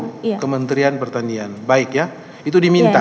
kementerian pertanian baik ya itu diminta